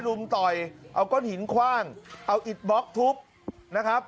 รุมต่อยเอาก้อนหินคว่างเอาอิดบล็อกทุบนะครับ